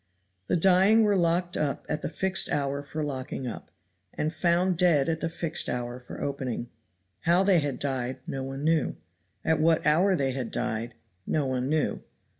The dying were locked up at the fixed hour for locking up, and found dead at the fixed hour for opening. How they had died no one knew. At what hour they had died no one knew.